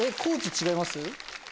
違います